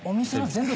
全部。